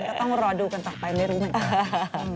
ก็ต้องรอดูกันต่อไปไม่รู้เหมือนกัน